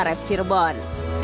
kota jawa barat cirebon